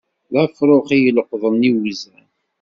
D afṛux, i yeleqḍen iwzan.